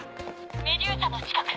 メデューサの近く。